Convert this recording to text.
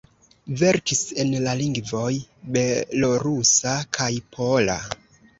Verkis en la lingvoj belorusa kaj pola.